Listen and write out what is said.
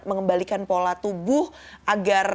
mengembalikan pola tubuh agar